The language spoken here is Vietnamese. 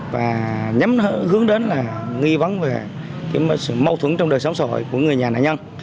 và hướng đến là nghi vấn về sự mâu thuẫn trong đời sống xã hội của người nhà nạn nhân